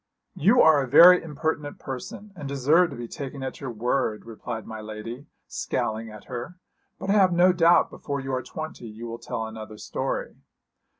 'You are a very impertinent person, and deserve to be taken at your word,' replied my lady, scowling at her; 'but I have no doubt before you are twenty you will tell another story.'